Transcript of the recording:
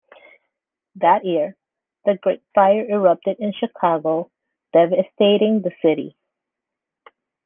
That year, the Great Fire erupted in Chicago, devastating the city.